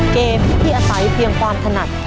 เกมที่อาศัยเพียงความถนัด